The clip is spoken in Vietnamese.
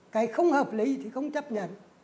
cái không hợp lý thì không chấp nhận